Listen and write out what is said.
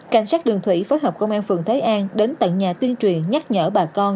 cảnh sát đường thủy phối hợp công an phường thế an đến tận nhà tuyên truyền nhắc nhở bà con